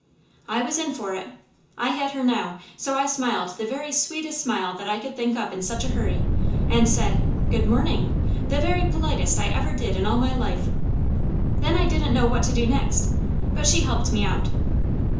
I was in for it. I had her now, so I smiled the very sweetest smile that I could think up in such a hurry, and said, "Good morning," the very politest I ever did in all my life. Then I didn't know what to do next, but she helped me out.